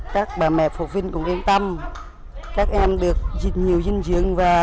các bà mẹ phục viên